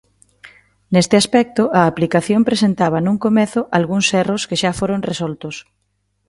Neste aspecto a aplicación presentaba nun comezo algúns erros que xa foron resoltos.